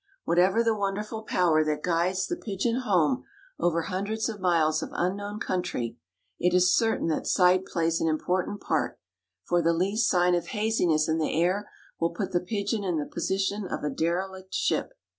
Whatever the wonderful power that guides the pigeon home over hundreds of miles of unknown country, it is certain that sight plays an important part, for the least sign of haziness in the air will put the pigeon in the position of a derelict ship.